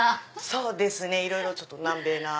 そうですねいろいろ南米な。